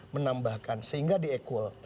menambahkan sehingga di equal